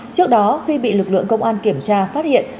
trước đó khi bị lực lượng công an kiểm tra phát hiện